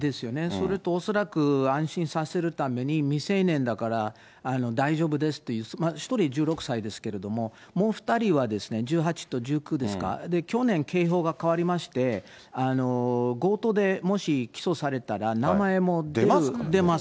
それと恐らく安心させるために、未成年だから大丈夫ですという、１人１６歳ですけれども、もう２人は１８と１９ですか、去年、刑法が変わりまして、強盗でもし起訴されたら、名前も出ます。